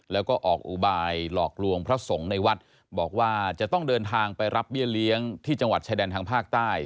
แล้วก็ออกอุบายหลอกลวงพระสงฆ์ในวัดบอกว่าจะต้องเดินทางไปรับเบี้ยเลี้ยงที่จังหวัดชายแดนทางภาคใต้